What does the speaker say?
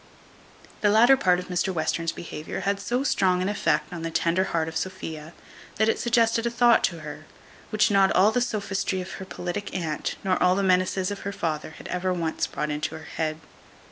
The latter part of Mr Western's behaviour had so strong an effect on the tender heart of Sophia, that it suggested a thought to her, which not all the sophistry of her politic aunt, nor all the menaces of her father, had ever once brought into her head.